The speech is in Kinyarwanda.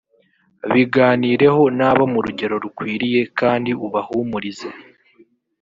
biganireho nabo mu rugero rukwiriye kandi ubahumurize